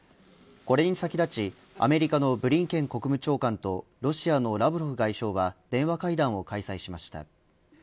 これに先立ち、アメリカのブリンケン国務長官とロシアのラブロフ外相は電話会談を開催しました。